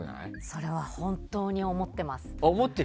それは本当に思っています。